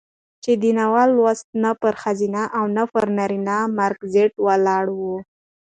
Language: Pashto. چې دا نوى لوست نه پر ښځينه او نه پر نرينه مرکزيت ولاړ و،